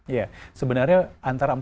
iya sebenarnya antara